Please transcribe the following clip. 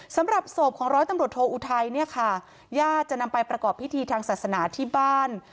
สำหรับศพของร้อยตำรวจโทอุทัยเนี่ยค่ะญาติจะนำไปประกอบพิธีทางศาสนาที่บ้าน